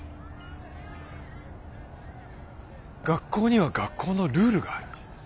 学校には学校のルールがある。